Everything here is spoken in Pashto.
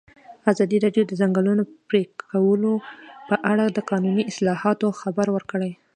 ازادي راډیو د د ځنګلونو پرېکول په اړه د قانوني اصلاحاتو خبر ورکړی.